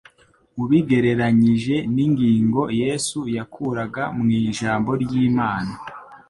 ubigereranyije n’ingingo Yesu yakuraga mu Ijambo ry’Imana